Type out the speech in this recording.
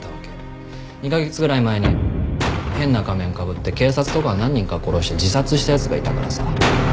２カ月ぐらい前に変な仮面かぶって警察とか何人か殺して自殺した奴がいたからさ。